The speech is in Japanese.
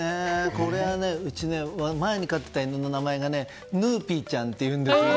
これはうちで前に飼ってた犬の名前がヌーピーちゃんっていうんですよ。